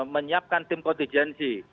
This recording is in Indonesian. menyiapkan tim kontijensi